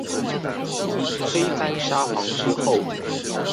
推翻沙皇之後